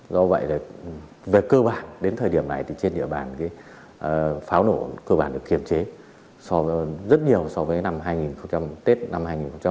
do vậy về cơ bản đến thời điểm này trên địa bàn pháo nổ cơ bản được kiềm chế rất nhiều so với tết năm hai nghìn hai mươi ba